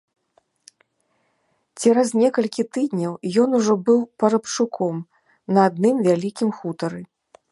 Цераз некалькі тыдняў ён ужо быў парабчуком на адным вялікім хутары.